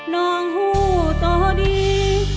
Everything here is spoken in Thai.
น้องหู้ต่อดี